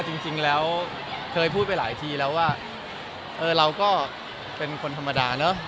จริงแล้วเคยพูดไปหลายทีแล้วว่าเออเราก็เป็นคนธรรมดาเนอะ